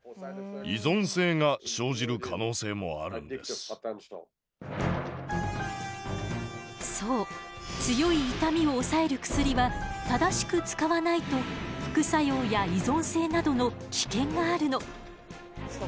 なぜならそう強い痛みを抑える薬は正しく使わないと副作用や依存性などの危険があるの。